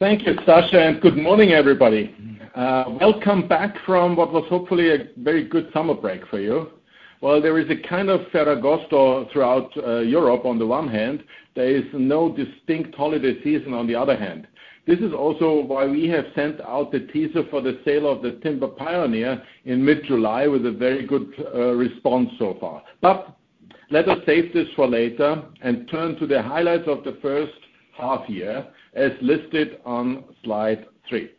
Thank you, Sasha, and good morning, everybody. Welcome back from what was hopefully a very good summer break for you. While there is a kind of Ferragosto throughout, Europe, on the one hand, there is no distinct holiday season, on the other hand. This is also why we have sent out a teaser for the sale of the Timber Pioneer in mid-July with a very good response so far. But let us save this for later and turn to the highlights of the first half year, as listed on slide 3.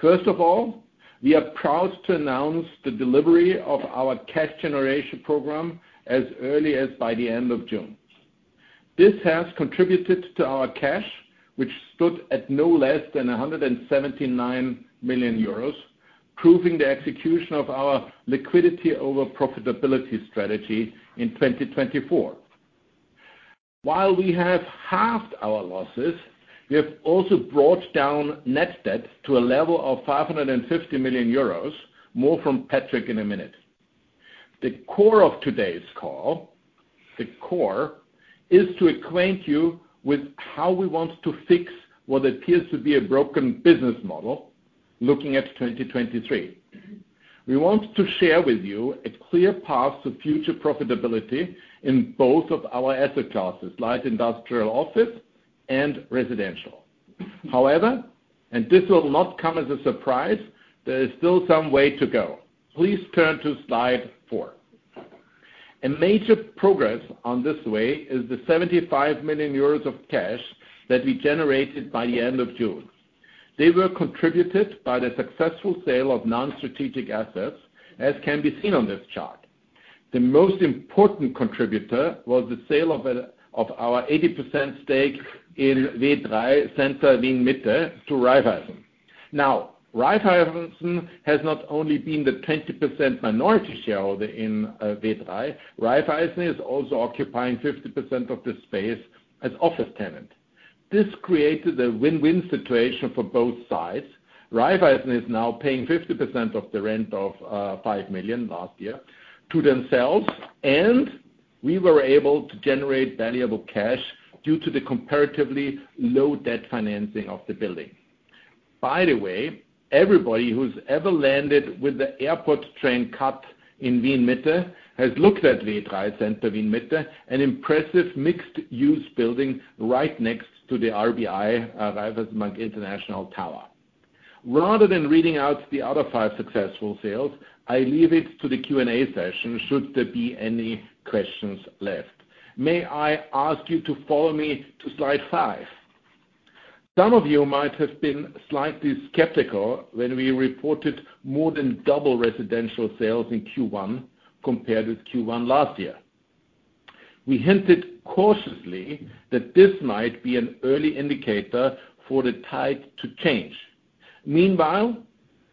First of all, we are proud to announce the delivery of our cash generation program as early as by the end of June. This has contributed to our cash, which stood at no less than 179 million euros, proving the execution of our liquidity over profitability strategy in 2024. While we have halved our losses, we have also brought down net debt to a level of 550 million euros. More from Patrick in a minute. The core of today's call, the core, is to acquaint you with how we want to fix what appears to be a broken business model, looking at 2023. We want to share with you a clear path to future profitability in both of our asset classes, light industrial office and residential. However, and this will not come as a surprise, there is still some way to go. Please turn to slide 4. A major progress on this way is the 75 million euros of cash that we generated by the end of June. They were contributed by the successful sale of non-strategic assets, as can be seen on this chart. The most important contributor was the sale of our 80% stake in W3 Center Wien Mitte to Raiffeisen. Now, Raiffeisen has not only been the 20% minority shareholder in W3. Raiffeisen is also occupying 50% of the space as office tenant. This created a win-win situation for both sides. Raiffeisen is now paying 50% of the rent of 5 million last year to themselves, and we were able to generate valuable cash due to the comparatively low debt financing of the building. By the way, everybody who's ever landed with the airport train CAT in Wien Mitte has looked at W3 Center Wien Mitte, an impressive mixed-use building right next to the RBI, Raiffeisen Bank International Tower. Rather than reading out the other 5 successful sales, I leave it to the Q&A session, should there be any questions left. May I ask you to follow me to slide 5? Some of you might have been slightly skeptical when we reported more than double residential sales in Q1 compared with Q1 last year. We hinted cautiously that this might be an early indicator for the tide to change. Meanwhile,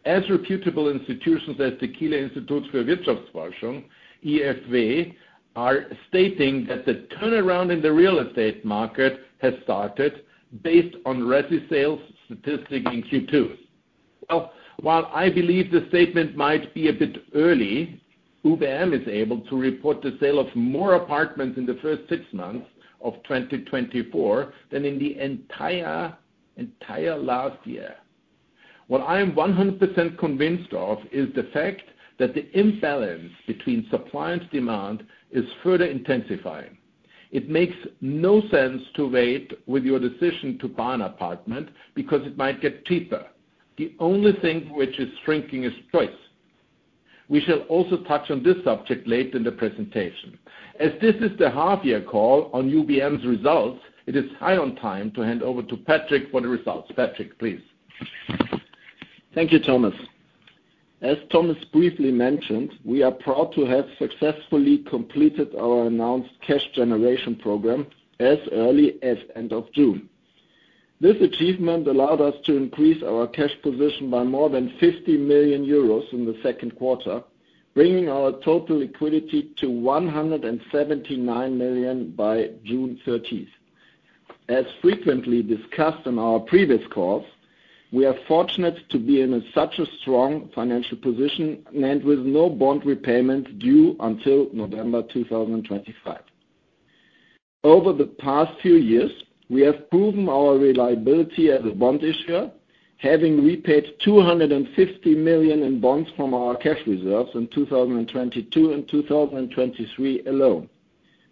as reputable institutions as the Kiel Institute for the World Economy, IfW, are stating that the turnaround in the real estate market has started based on resi sales statistics in Q2. While I believe the statement might be a bit early, UBM is able to report the sale of more apartments in the first six months of 2024 than in the entire, entire last year. What I am 100% convinced of is the fact that the imbalance between supply and demand is further intensifying. It makes no sense to wait with your decision to buy an apartment because it might get cheaper. The only thing which is shrinking is choice. We shall also touch on this subject late in the presentation. As this is the half year call on UBM's results, it is high time to hand over to Patrick for the results. Patrick, please. Thank you, Thomas. As Thomas briefly mentioned, we are proud to have successfully completed our announced cash generation program as early as end of June. This achievement allowed us to increase our cash position by more than 50 million euros in the second quarter, bringing our total liquidity to 179 million EUR by June 30th. As frequently discussed on our previous calls, we are fortunate to be in such a strong financial position and with no bond repayment due until November 2025. Over the past few years, we have proven our reliability as a bond issuer, having repaid 250 million EUR in bonds from our cash reserves in 2022 and 2023 alone.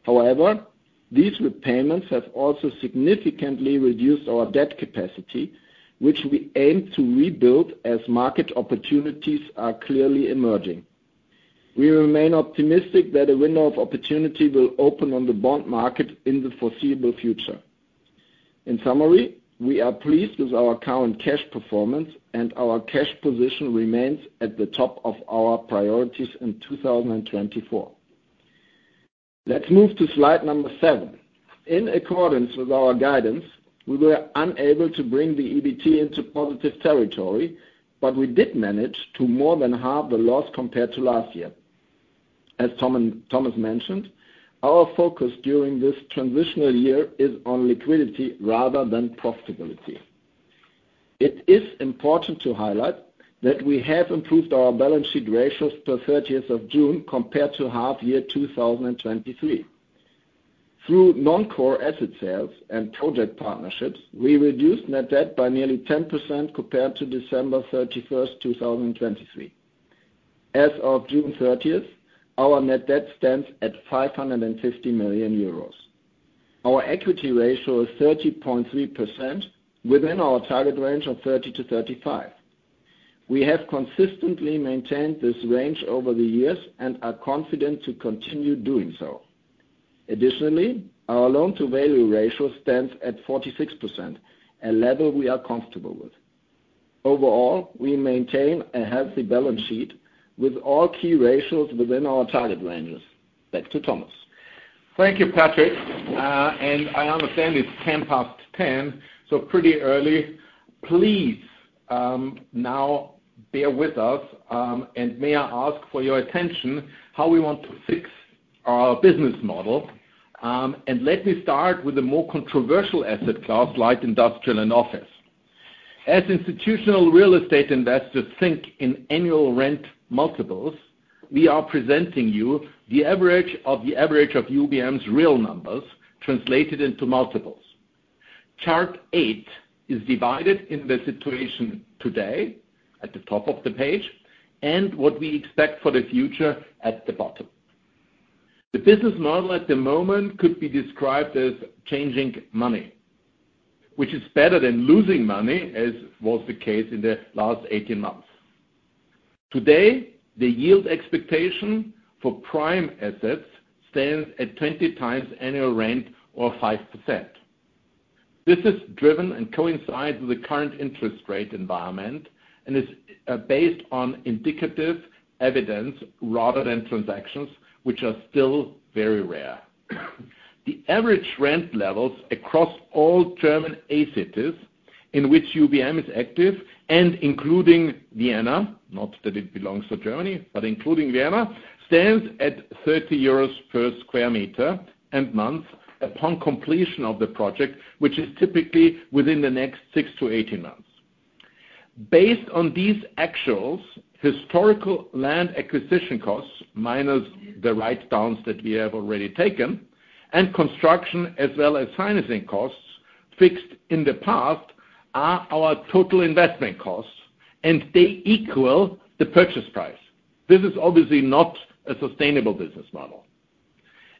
However, these repayments have also significantly reduced our debt capacity, which we aim to rebuild as market opportunities are clearly emerging. We remain optimistic that a window of opportunity will open on the bond market in the foreseeable future. In summary, we are pleased with our current cash performance, and our cash position remains at the top of our priorities in 2024. Let's move to slide 7. In accordance with our guidance, we were unable to bring the EBT into positive territory, but we did manage to more than half the loss compared to last year. As Thomas mentioned, our focus during this transitional year is on liquidity rather than profitability. It is important to highlight that we have improved our balance sheet ratios per thirtieth of June compared to H1 2023. Through non-core asset sales and project partnerships, we reduced net debt by nearly 10% compared to December 31st, 2023. As of June 30th, our net debt stands at 550 million euros. Our equity ratio is 30.3%, within our target range of 30%-35%. We have consistently maintained this range over the years and are confident to continue doing so. Additionally, our loan-to-value ratio stands at 46%, a level we are comfortable with. Overall, we maintain a healthy balance sheet with all key ratios within our target ranges. Back to Thomas. Thank you, Patrick. And I understand it's 10:10 A.M., so pretty early. Please, now bear with us, and may I ask for your attention, how we want to fix our business model? And let me start with a more controversial asset class, like industrial and office. As institutional real estate investors think in annual rent multiples, we are presenting you the average of the average of UBM's real numbers translated into multiples. Chart eight is divided in the situation today, at the top of the page, and what we expect for the future at the bottom. The business model at the moment could be described as changing money, which is better than losing money, as was the case in the last 18 months. Today, the yield expectation for prime assets stands at 20 times annual rent or 5%. This is driven and coincides with the current interest rate environment, and is based on indicative evidence rather than transactions, which are still very rare. The average rent levels across all German A cities in which UBM is active and including Vienna, not that it belongs to Germany, but including Vienna, stands at 30 euros per sq m and month upon completion of the project, which is typically within the next 6-18 months. Based on these actuals, historical land acquisition costs, minus the write downs that we have already taken, and construction, as well as financing costs fixed in the past, are our total investment costs, and they equal the purchase price. This is obviously not a sustainable business model.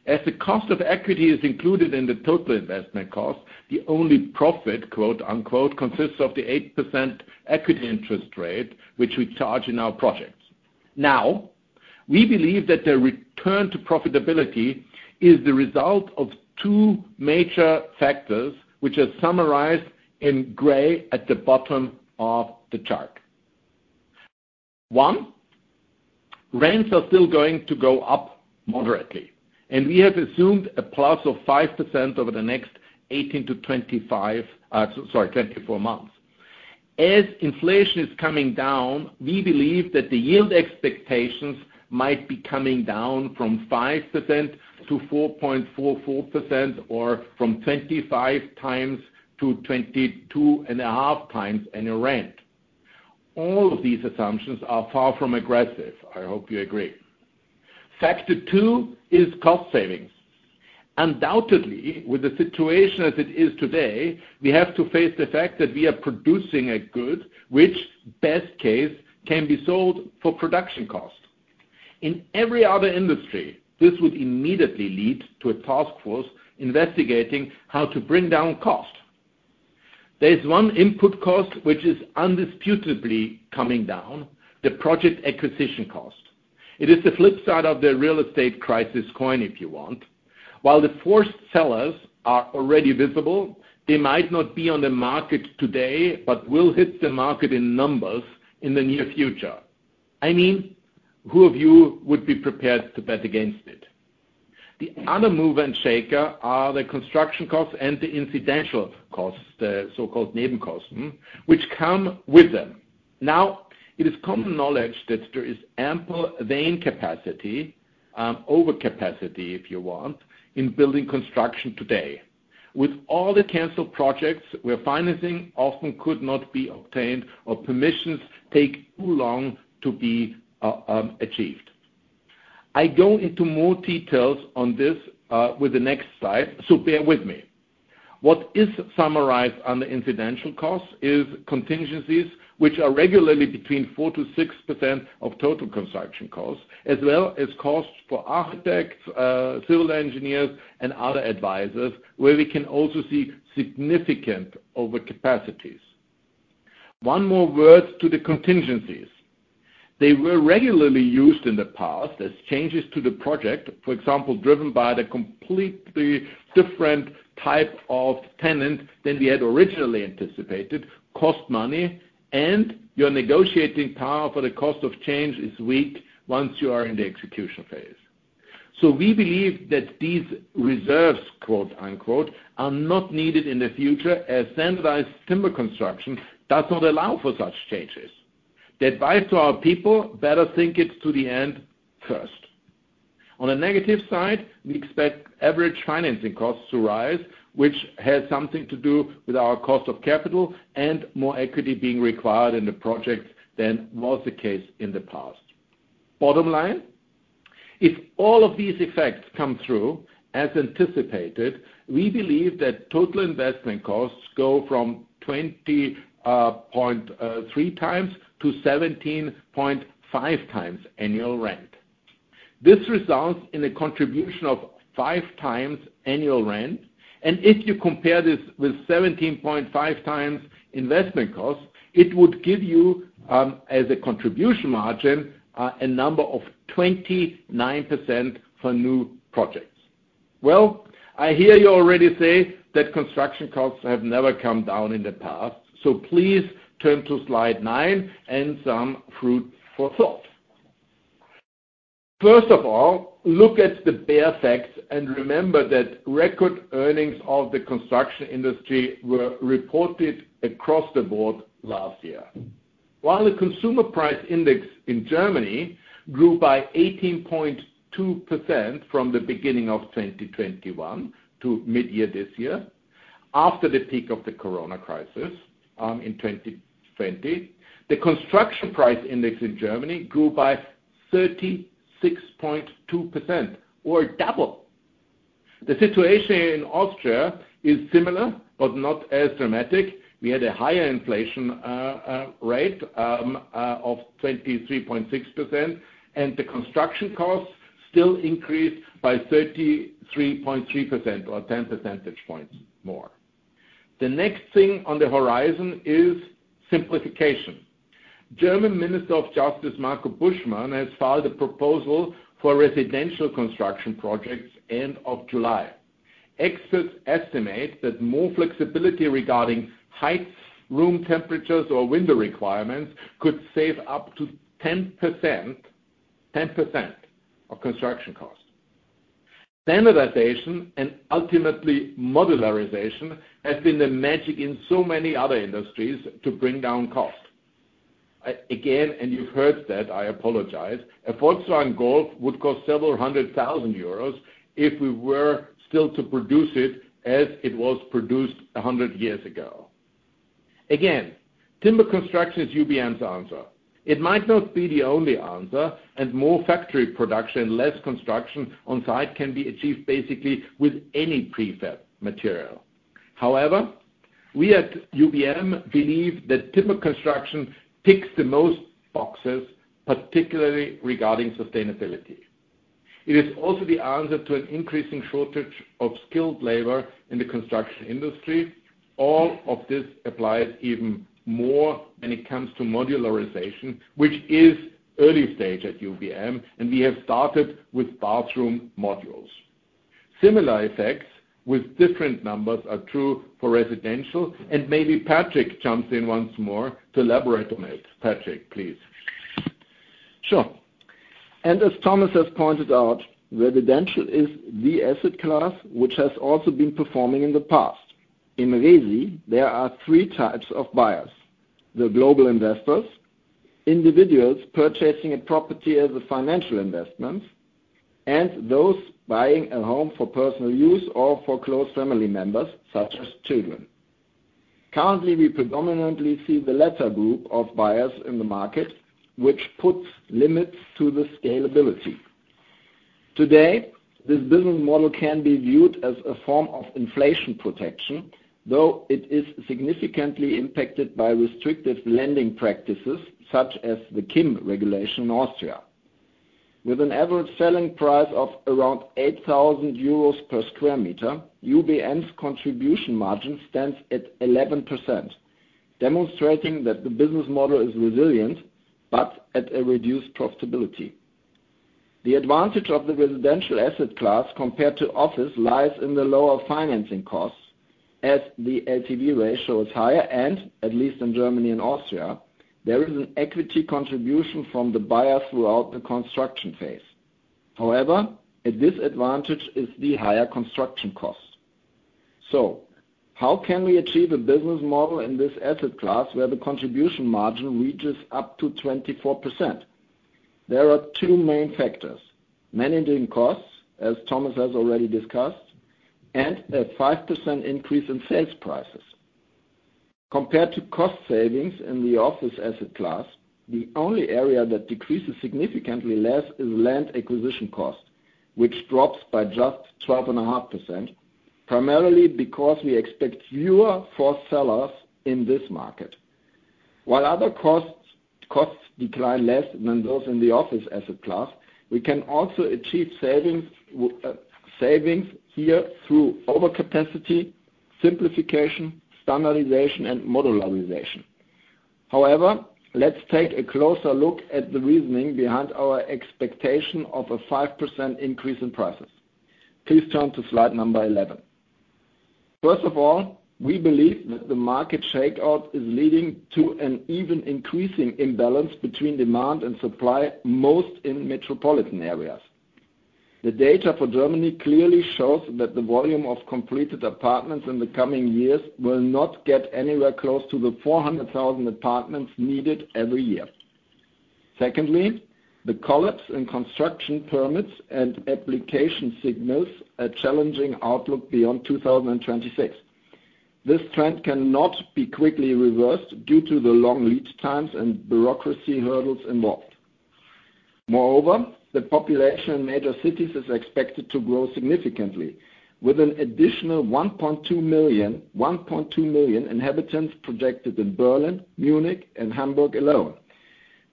As the cost of equity is included in the total investment cost, the only profit, quote, unquote, "consists of the 8% equity interest rate," which we charge in our projects. Now, we believe that the return to profitability is the result of two major factors, which are summarized in gray at the bottom of the chart. One, rents are still going to go up moderately, and we have assumed a plus of 5% over the next twenty-four months. As inflation is coming down, we believe that the yield expectations might be coming down from 5% to 4.44%, or from 25 times to 22.5 times annual rent. All of these assumptions are far from aggressive. I hope you agree. Factor two is cost savings. Undoubtedly, with the situation as it is today, we have to face the fact that we are producing a good, which, best case, can be sold for production cost. In every other industry, this would immediately lead to a task force investigating how to bring down cost. There is one input cost which is indisputably coming down, the project acquisition cost. It is the flip side of the real estate crisis coin, if you want. While the forced sellers are already visible, they might not be on the market today, but will hit the market in numbers in the near future. I mean, who of you would be prepared to bet against it? The other mover and shaker are the construction costs and the incidental costs, the so-called main costs, which come with them. Now, it is common knowledge that there is ample unused capacity, overcapacity, if you want, in building construction today. With all the canceled projects, where financing often could not be obtained or permissions take too long to be achieved. I go into more details on this with the next slide, so bear with me. What is summarized on the incidental cost is contingencies, which are regularly between 4-6% of total construction costs, as well as costs for architects, civil engineers, and other advisors, where we can also see significant overcapacities. One more word to the contingencies. They were regularly used in the past as changes to the project, for example, driven by the completely different type of tenant than we had originally anticipated, cost money, and your negotiating power for the cost of change is weak once you are in the execution phase. So we believe that these reserves, quote unquote, "are not needed in the future, as standardized timber construction does not allow for such changes." The advice to our people: better think it to the end first. On the negative side, we expect average financing costs to rise, which has something to do with our cost of capital and more equity being required in the project than was the case in the past. Bottom line, if all of these effects come through as anticipated, we believe that total investment costs go from 20.3 times to 17.5 times annual rent. This results in a contribution of five times annual rent, and if you compare this with 17.5 times investment costs, it would give you, as a contribution margin, a number of 29% for new projects. I hear you already say that construction costs have never come down in the past, so please turn to slide 9 and some food for thought. First of all, look at the bare facts and remember that record earnings of the construction industry were reported across the board last year. While the Consumer Price Index in Germany grew by 18.2% from the beginning of 2021 to mid-year this year, after the peak of the corona crisis in 2020, the construction price index in Germany grew by 36.2%, or double. The situation in Austria is similar, but not as dramatic. We had a higher inflation rate of 23.6%, and the construction costs still increased by 33.2% or 10 percentage points more. The next thing on the horizon is simplification. German Minister of Justice, Marco Buschmann, has filed a proposal for residential construction projects end of July. Experts estimate that more flexibility regarding heights, room temperatures, or window requirements could save up to 10%, 10% of construction costs. Standardization and ultimately modularization has been the magic in so many other industries to bring down cost. Again, and you've heard that, I apologize, a Volkswagen Golf would cost several hundred thousand euros if we were still to produce it as it was produced a hundred years ago. Again, timber construction is UBM's answer. It might not be the only answer, and more factory production, less construction on site can be achieved basically with any prefab material. However, we at UBM believe that timber construction ticks the most boxes, particularly regarding sustainability. It is also the answer to an increasing shortage of skilled labor in the construction industry. All of this applies even more when it comes to modularization, which is early stage at UBM, and we have started with bathroom modules. Similar effects with different numbers are true for residential, and maybe Patrick jumps in once more to elaborate on it. Patrick, please. Sure. And as Thomas has pointed out, residential is the asset class, which has also been performing in the past. In resi, there are three types of buyers: the global investors, individuals purchasing a property as a financial investment, and those buying a home for personal use or for close family members, such as children. Currently, we predominantly see the latter group of buyers in the market, which puts limits to the scalability. Today, this business model can be viewed as a form of inflation protection, though it is significantly impacted by restrictive lending practices, such as the KIM regulation in Austria. With an average selling price of around 8,000 euros per square meter, UBM's contribution margin stands at 11%, demonstrating that the business model is resilient but at a reduced profitability. The advantage of the residential asset class compared to office lies in the lower financing costs, as the LTV ratio is higher, and at least in Germany and Austria, there is an equity contribution from the buyer throughout the construction phase. However, a disadvantage is the higher construction cost. So how can we achieve a business model in this asset class where the contribution margin reaches up to 24%? There are two main factors: managing costs, as Thomas has already discussed, and a 5% increase in sales prices. Compared to cost savings in the office asset class, the only area that decreases significantly less is land acquisition cost, which drops by just 12.5%, primarily because we expect fewer forced sellers in this market. While other costs, costs decline less than those in the office asset class, we can also achieve savings here through overcapacity, simplification, standardization, and modularization. However, let's take a closer look at the reasoning behind our expectation of a 5% increase in prices. Please turn to slide 11. First of all, we believe that the market shakeout is leading to an even increasing imbalance between demand and supply, most in metropolitan areas. The data for Germany clearly shows that the volume of completed apartments in the coming years will not get anywhere close to the 400,000 apartments needed every year. Secondly, the collapse in construction permits and application signals a challenging outlook beyond 2026. This trend cannot be quickly reversed due to the long lead times and bureaucracy hurdles involved. Moreover, the population in major cities is expected to grow significantly, with an additional 1.2 million inhabitants projected in Berlin, Munich, and Hamburg alone.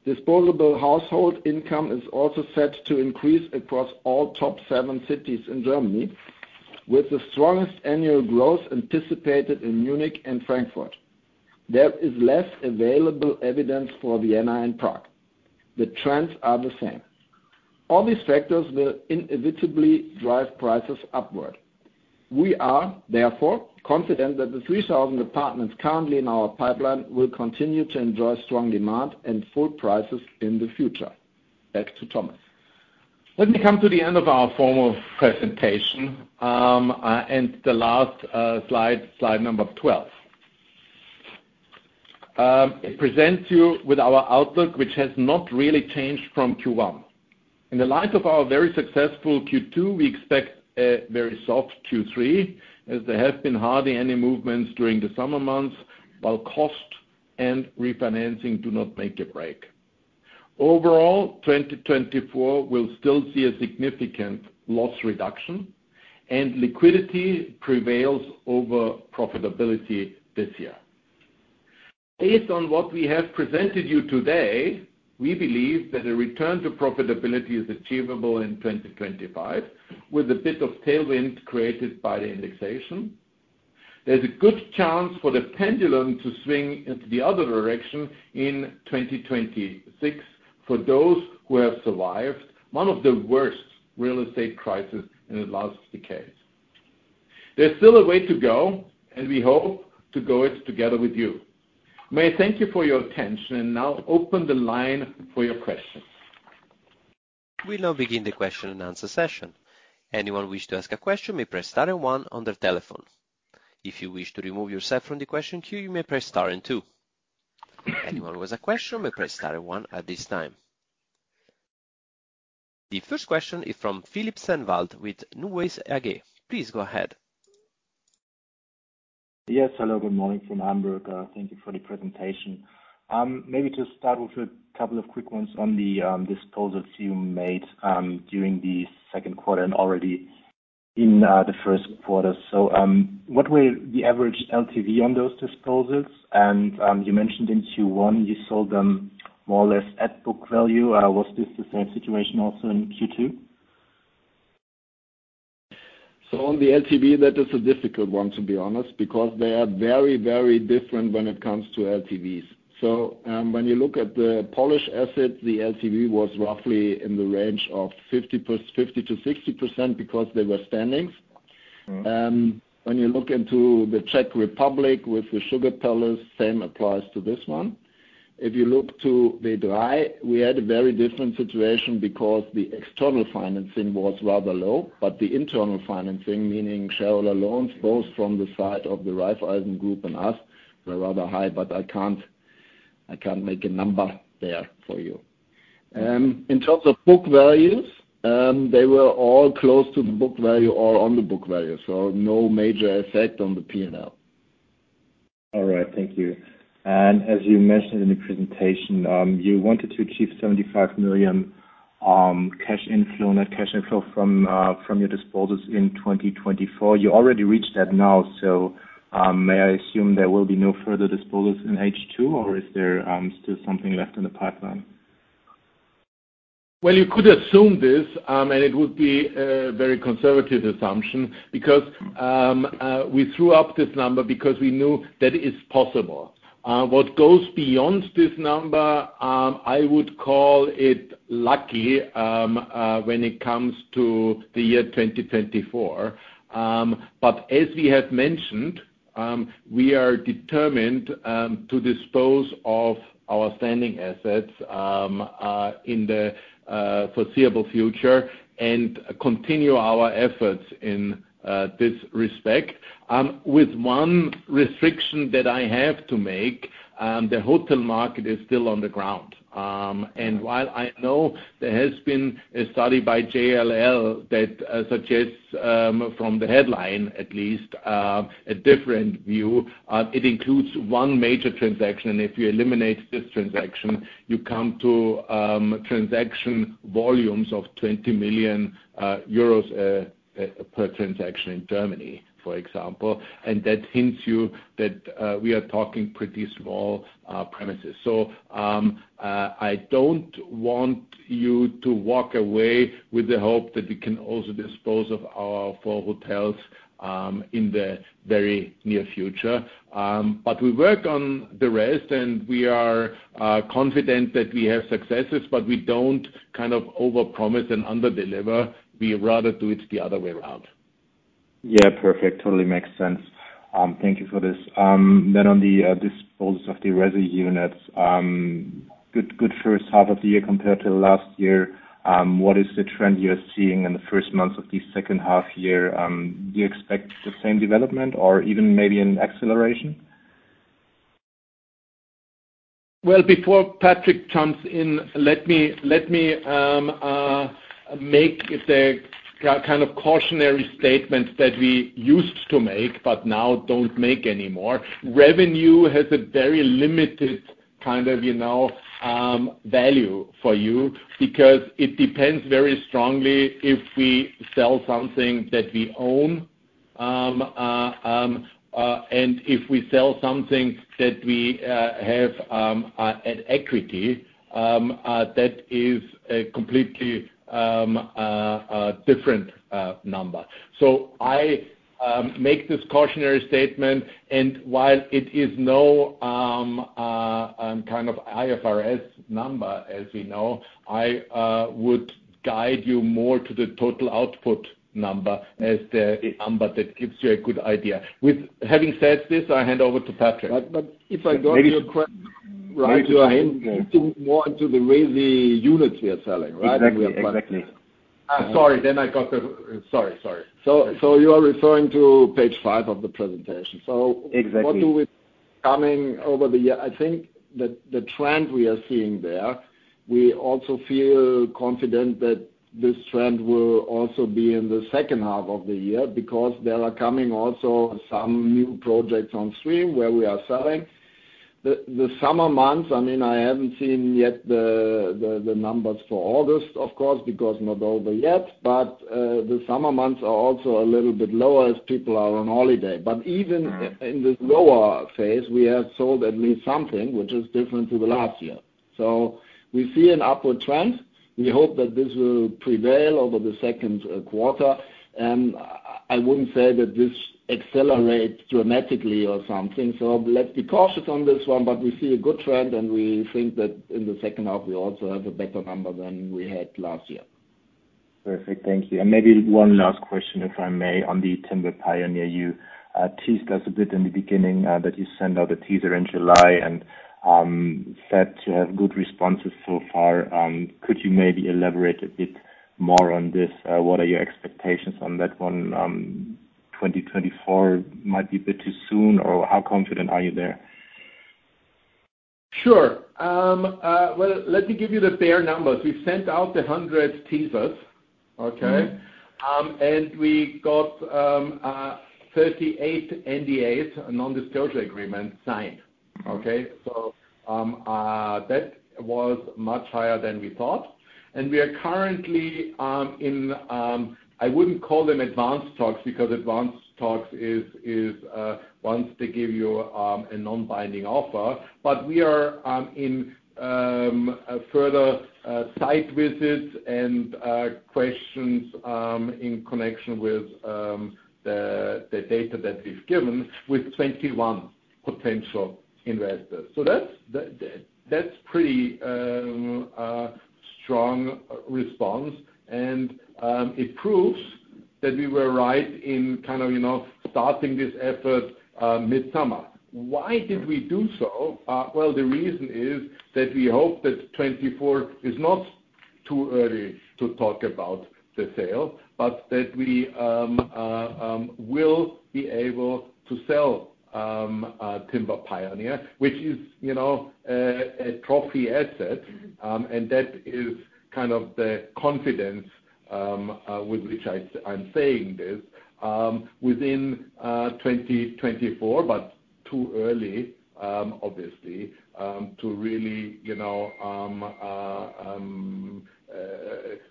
Disposable household income is also set to increase across all top seven cities in Germany, with the strongest annual growth anticipated in Munich and Frankfurt. There is less available evidence for Vienna and Prague. The trends are the same. All these factors will inevitably drive prices upward. We are therefore confident that the 3,000 apartments currently in our pipeline will continue to enjoy strong demand and full prices in the future. Back to Thomas. Let me come to the end of our formal presentation, and the last slide, slide number 12. It presents you with our outlook, which has not really changed from Q1. In the light of our very successful Q2, we expect a very soft Q3, as there have been hardly any movements during the summer months, while cost and refinancing do not make a break. Overall, 2024 will still see a significant loss reduction, and liquidity prevails over profitability this year. Based on what we have presented you today, we believe that a return to profitability is achievable in twenty twenty-five, with a bit of tailwind created by the indexation. There's a good chance for the pendulum to swing into the other direction in twenty twenty-six, for those who have survived one of the worst real estate crisis in the last decades. There's still a way to go, and we hope to go it together with you. May I thank you for your attention, and now open the line for your questions. We now begin the question and answer session. Anyone wish to ask a question may press star and one on their telephone. If you wish to remove yourself from the question queue, you may press star and two. Anyone who has a question may press star and one at this time. The first question is from Philipp Sennewald with Warburg Research. Please go ahead. Yes, hello, good morning from Hamburg. Thank you for the presentation. Maybe just start with a couple of quick ones on the disposals you made during the second quarter and already in the first quarter. So, what were the average LTV on those disposals? And you mentioned in Q1, you sold them more or less at book value. Was this the same situation also in Q2? On the LTV, that is a difficult one, to be honest, because they are very, very different when it comes to LTVs. When you look at the Polish asset, the LTV was roughly in the range of 50-plus, 50%-60% because they were standings. Mm-hmm. When you look into the Czech Republic with the Sugar Palace, same applies to this one. If you look to the prior, we had a very different situation because the external financing was rather low, but the internal financing, meaning shareholder loans, both from the side of the Raiffeisen group and us, were rather high, but I can't make a number there for you. In terms of book values, they were all close to the book value or on the book value, so no major effect on the P&L. All right, thank you. And as you mentioned in the presentation, you wanted to achieve 75 million cash inflow, net cash inflow from your disposals in 2024. You already reached that now, so may I assume there will be no further disposals in H2, or is there still something left in the pipeline? You could assume this, and it would be a very conservative assumption, because we threw up this number because we knew that it is possible. What goes beyond this number, I would call it lucky, when it comes to the year 2024. As we have mentioned, we are determined to dispose of our standing assets in the foreseeable future and continue our efforts in this respect. With one restriction that I have to make, the hotel market is still on the ground. While I know there has been a study by JLL that suggests, from the headline at least, a different view, it includes one major transaction. If you eliminate this transaction, you come to transaction volumes of 20 million euros per transaction in Germany, for example. And that hints you that we are talking pretty small premises. So I don't want you to walk away with the hope that we can also dispose of our four hotels in the very near future. But we work on the rest, and we are confident that we have successes, but we don't kind of overpromise and underdeliver. We rather do it the other way around. Yeah, perfect. Totally makes sense. Thank you for this. Then, on the disposals of the resi units, good, good first half of the year compared to last year. What is the trend you are seeing in the first months of the second half year? Do you expect the same development or even maybe an acceleration? Well, before Patrick jumps in, let me make the kind of cautionary statement that we used to make, but now don't make anymore. Revenue has a very limited kind of, you know, value for you, because it depends very strongly if we sell something that we own. And if we sell something that we have an equity, that is a completely a different number. So I make this cautionary statement, and while it is no kind of IFRS number, as we know, I would guide you more to the total output number as the number that gives you a good idea. With having said this, I hand over to Patrick. But if I got your question right, you are more into the way the units we are selling, right? Exactly. Exactly. Sorry. So you are referring to page five of the presentation. So- Exactly. What do we coming over the year? I think the trend we are seeing there, we also feel confident that this trend will also be in the second half of the year, because there are coming also some new projects on stream where we are selling. The summer months, I mean, I haven't seen yet the numbers for August, of course, because not over yet, but the summer months are also a little bit lower as people are on holiday. But even in the lower phase, we have sold at least something which is different to the last year. So we see an upward trend. We hope that this will prevail over the second quarter. I wouldn't say that this accelerates dramatically or something, so let's be cautious on this one. We see a good trend, and we think that in the second half, we also have a better number than we had last year. Perfect. Thank you. And maybe one last question, if I may, on the Timber Pioneer. You teased us a bit in the beginning that you sent out a teaser in July and said to have good responses so far. Could you maybe elaborate a bit more on this? What are your expectations on that one, 2024 might be a bit too soon, or how confident are you there? Sure. Well, let me give you the bare numbers. We've sent out 100 teasers, okay? Mm-hmm. We got 38 NDAs, non-disclosure agreements, signed. Mm-hmm. Okay? So that was much higher than we thought. And we are currently in I wouldn't call them advanced talks, because advanced talks is once they give you a non-binding offer. But we are in a further site visits and questions in connection with the data that we've given with 21 potential investors. So that's pretty strong response, and it proves that we were right in kind of you know starting this effort mid-summer. Why did we do so? Well the reason is that we hope that 2024 is not too early to talk about the sale, but that we will be able to sell Timber Pioneer, which is you know a trophy asset. And that is kind of the confidence with which I'm saying this within 2024, but too early, obviously, to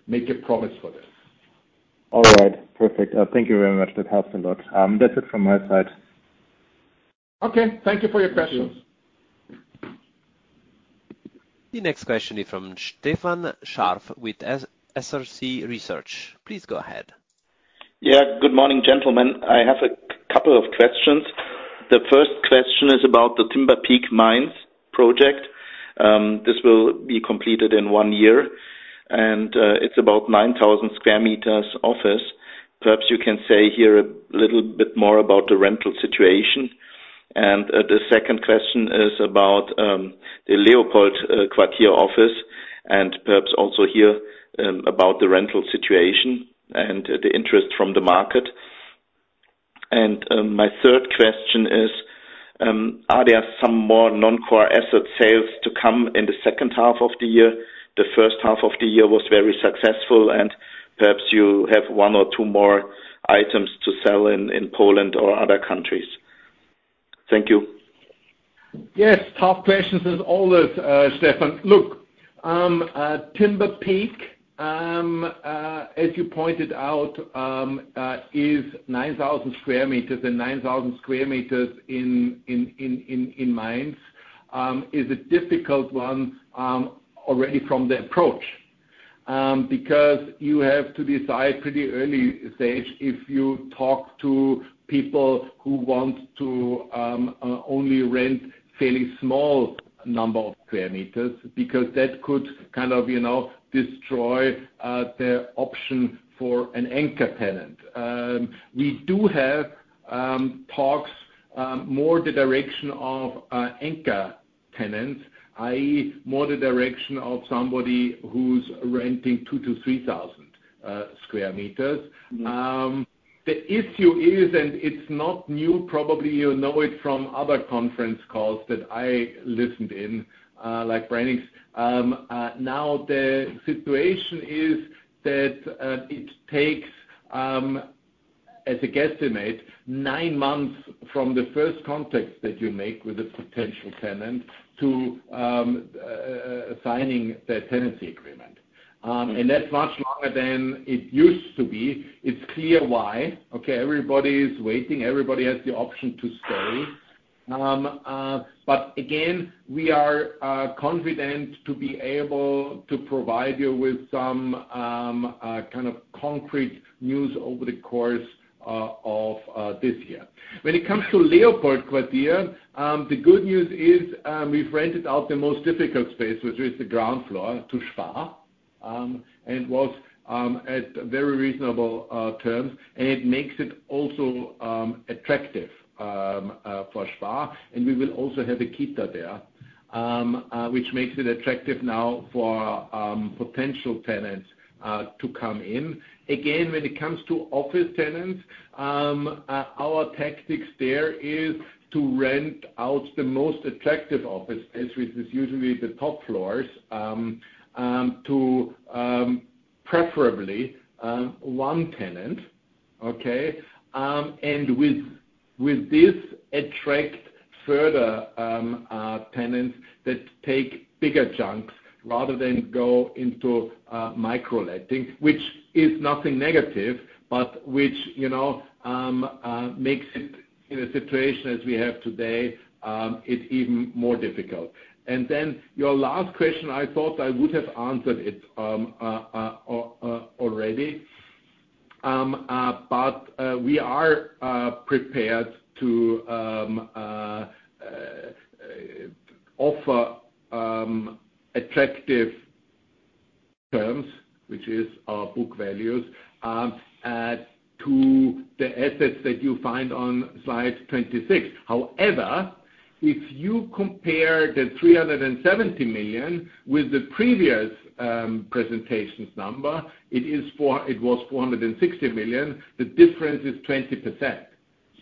make a promise for this. All right. Perfect. Thank you very much. That helps a lot. That's it from my side. Okay. Thank you for your questions. Thank you. The next question is from Stefan Scharf with SRC Research. Please go ahead. Yeah. Good morning, gentlemen. I have a couple of questions. The first question is about the Timber Peak Mainz project. This will be completed in one year, and it's about 9,000 square meters office. Perhaps you can say here a little bit more about the rental situation. And the second question is about the LeopoldQuartier office, and perhaps also here about the rental situation and the interest from the market. And my third question is, are there some more non-core asset sales to come in the second half of the year? The first half of the year was very successful, and perhaps you have one or two more items to sell in Poland or other countries. Thank you. Yes, tough questions as always, Stefan. Look, Timber Peak, as you pointed out, is 9,000 sq m, and 9,000 sq m in Mainz is a difficult one, already from the approach. Because you have to decide pretty early stage if you talk to people who want to only rent fairly small number of sq m, because that could kind of, you know, destroy the option for an anchor tenant. We do have talks more the direction of anchor tenants, i.e., more the direction of somebody who's renting 2,000-3,000 sq m. The issue is, and it's not new, probably you know it from other conference calls that I listened in. Now the situation is that it takes, as a guesstimate, nine months from the first contact that you make with a potential tenant to signing the tenancy agreement. And that's much longer than it used to be. It's clear why, okay? Everybody is waiting, everybody has the option to stay. But again, we are confident to be able to provide you with some kind of concrete news over the course of this year. When it comes to LeopoldQuartier, the good news is, we've rented out the most difficult space, which is the ground floor, to Spar, and was at very reasonable terms. And it makes it also attractive for Spar, and we will also have a Kita there. which makes it attractive now for potential tenants to come in. Again, when it comes to office tenants, our tactics there is to rent out the most attractive office space, which is usually the top floors, to preferably one tenant, okay, and with this attract further tenants that take bigger chunks rather than go into micro letting, which is nothing negative, but which, you know, makes it, in a situation as we have today, it's even more difficult, and then your last question, I thought I would have answered it already, but we are prepared to offer attractive terms, which is our book values, to the assets that you find on slide 26. However, if you compare 370 million with the previous presentations number, it is four, it was 460 million. The difference is 20%.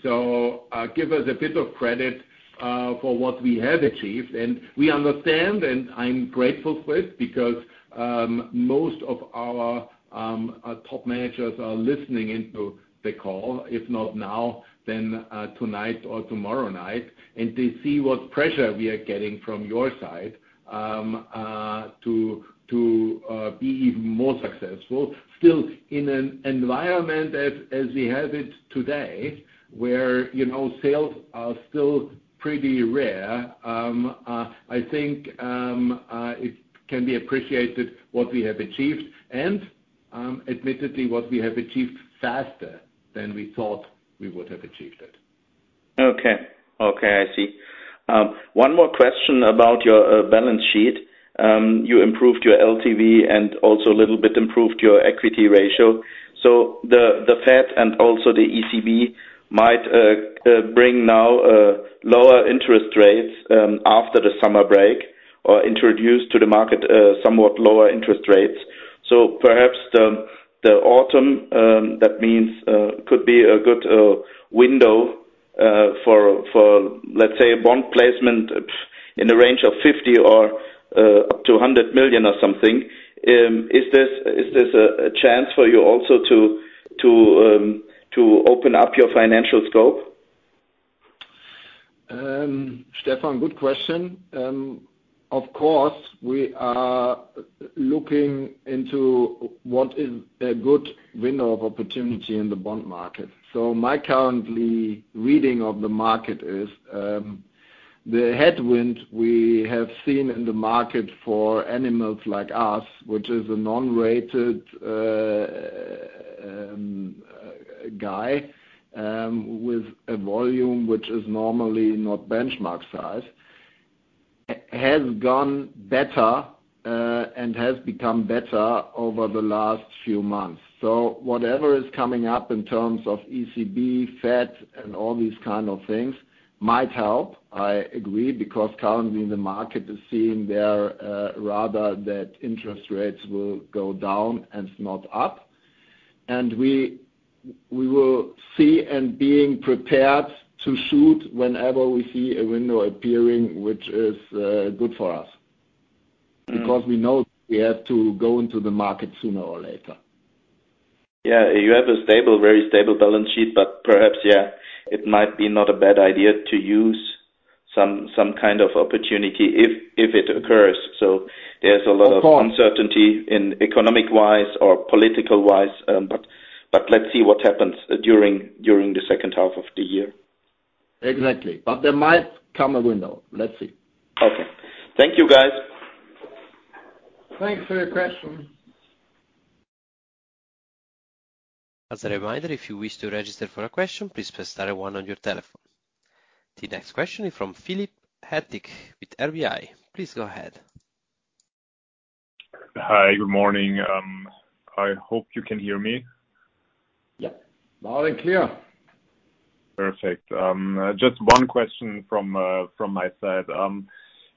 So, give us a bit of credit for what we have achieved, and we understand, and I'm grateful for it, because most of our top managers are listening into the call, if not now, then tonight or tomorrow night, and they see what pressure we are getting from your side to be even more successful. Still, in an environment as we have it today, where you know sales are still pretty rare, I think it can be appreciated what we have achieved and admittedly what we have achieved faster than we thought we would have achieved it. Okay. Okay, I see. One more question about your balance sheet. You improved your LTV and also a little bit improved your equity ratio. So the Fed and also the ECB might bring now lower interest rates after the summer break, or introduce to the market somewhat lower interest rates. So perhaps the autumn that means could be a good window for let's say bond placement in the range of 50 million or up to 100 million or something. Is this a chance for you also to open up your financial scope? Stefan, good question. Of course, we are looking into what is a good window of opportunity in the bond market. My current reading of the market is, the headwind we have seen in the market for issuers like us, which is a non-rated issuer with a volume which is normally not benchmark size, has gone better and has become better over the last few months. Whatever is coming up in terms of ECB, Fed, and all these kind of things might help, I agree, because currently the market is seeing rather that interest rates will go down and not up. We will see and be prepared to shoot whenever we see a window appearing, which is good for us. Because we know we have to go into the market sooner or later. Yeah, you have a stable, very stable balance sheet, but perhaps, yeah, it might be not a bad idea to use some kind of opportunity if it occurs. So there's a lot of- Of course... uncertainty in economic-wise or political-wise, but let's see what happens during the second half of the year. Exactly, but there might come a window. Let's see. Okay. Thank you, guys. Thanks for your question. As a reminder, if you wish to register for a question, please press star one on your telephone. The next question is from Philip Härtl with RBI. Please go ahead. Hi, good morning. I hope you can hear me. Yeah. Loud and clear. Perfect. Just one question from my side.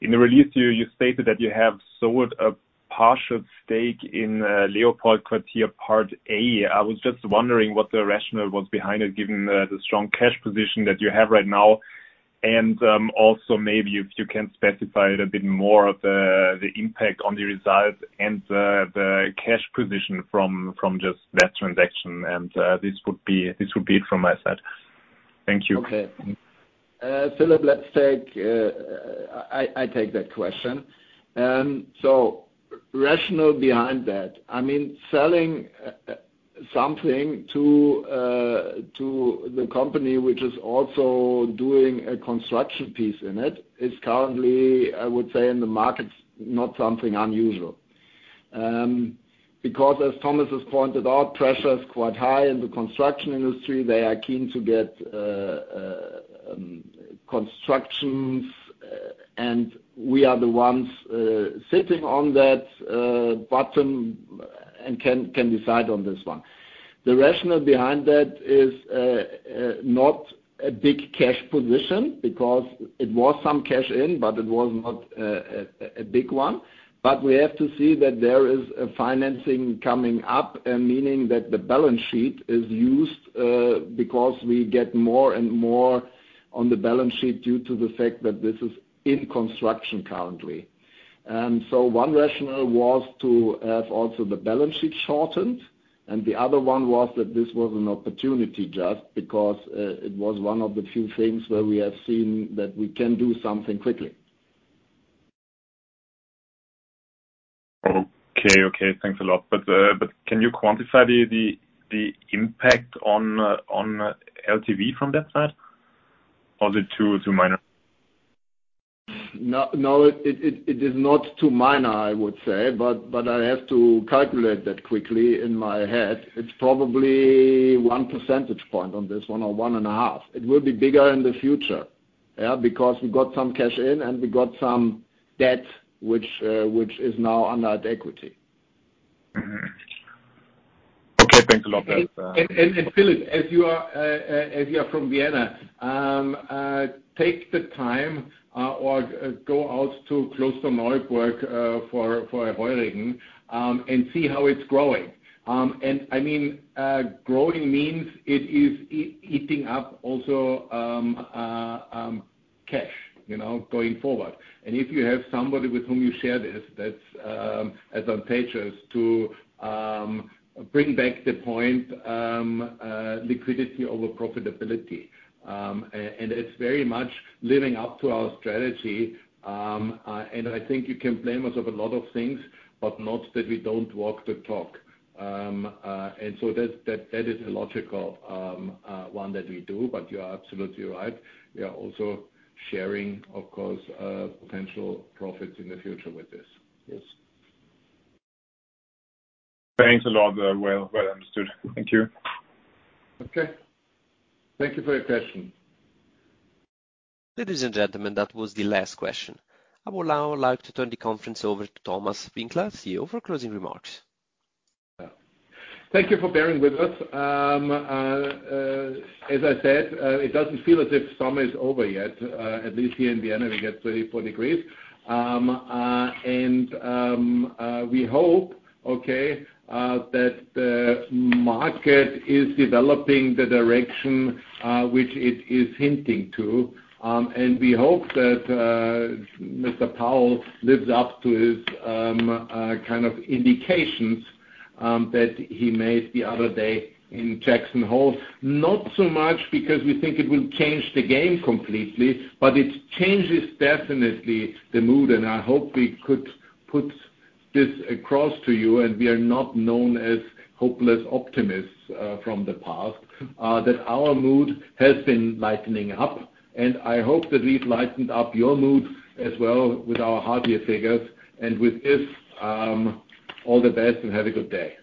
In the release, you stated that you have sold a partial stake in LeopoldQuartier Part A. I was just wondering what the rationale was behind it, given the strong cash position that you have right now. And, also, maybe if you can specify it a bit more, the impact on the results and the cash position from just that transaction. And, this would be it from my side. Thank you. Okay. Philip, let's take. I take that question. So the rationale behind that, I mean, selling something to the company, which is also doing a construction piece in it, is currently, I would say in the market, not something unusual. Because as Thomas has pointed out, pressure is quite high in the construction industry. They are keen to get constructions, and we are the ones sitting on that button and can decide on this one. The rationale behind that is not a big cash position because it was some cash in, but it was not a big one. But we have to see that there is a financing coming up, and meaning that the balance sheet is used, because we get more and more on the balance sheet due to the fact that this is in construction currently. And so one rationale was to have also the balance sheet shortened, and the other one was that this was an opportunity just because it was one of the few things where we have seen that we can do something quickly. Okay. Okay, thanks a lot. But, can you quantify the impact on LTV from that side, or is it too minor? No, it is not too minor, I would say, but I have to calculate that quickly in my head. It's probably one percentage point on this one, or one and a half. It will be bigger in the future, yeah, because we got some cash in, and we got some debt, which is now under the equity. Mm-hmm. Okay, thanks a lot. Philip, as you are from Vienna, take the time or go out to Klosterneuburg for a Heuriger and see how it's growing. I mean, growing means it is eating up also cash, you know, going forward. And if you have somebody with whom you share this, that's advantageous to bring back the point, liquidity over profitability. And it's very much living up to our strategy. And I think you can blame us of a lot of things, but not that we don't walk the talk. And so that is a logical one that we do. But you are absolutely right. We are also sharing, of course, potential profits in the future with this. Yes. Thanks a lot. Well understood. Thank you. Okay. Thank you for your question. Ladies and gentlemen, that was the last question. I would now like to turn the conference over to Thomas Winkler, CEO, for closing remarks. Thank you for bearing with us. As I said, it doesn't feel as if summer is over yet. At least here in Vienna, we get 34 degrees. And we hope that the market is developing the direction which it is hinting to. And we hope that Mr. Powell lives up to his kind of indications that he made the other day in Jackson Hole. Not so much because we think it will change the game completely, but it changes definitely the mood, and I hope we could put this across to you, and we are not known as hopeless optimists from the past. That our mood has been lightening up, and I hope that we've lightened up your mood as well with our half year figures. And with this, all the best, and have a good day.